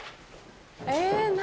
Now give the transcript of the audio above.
え何？